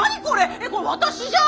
えっこれ私じゃん！